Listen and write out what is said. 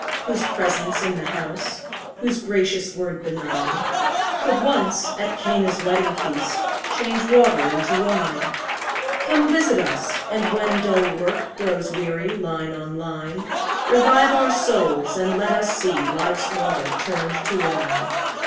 whose presence in the house, Whose gracious word benign, Could once, at Cana's wedding feast, Change water into wine; Come, visit us! and when dull work Grows weary, line on line, Revive our souls, and let us see Life's water turned to wine.